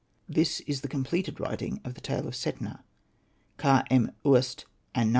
This is the completed writing of the tale of Setna Kha.em.uast^ and Na.